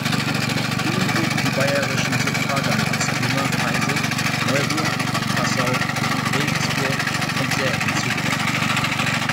Ihm wurden die baierischen Suffraganbistümer Freising, Neuburg, Passau, Regensburg und Säben zugeordnet.